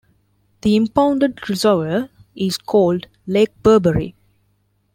The impounded reservoir is called Lake Burbury.